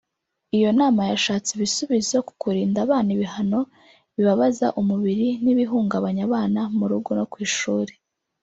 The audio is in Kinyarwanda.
Iyo nama yashatse ibisubizo ku kurinda abana ibihano bibabaza umubiri n’ibihungabanya abana mu rugo no ku ishuri